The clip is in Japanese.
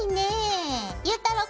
ゆうたろう